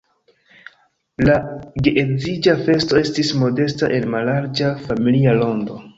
La geedziĝa festo estis modesta en mallarĝa familia rondo.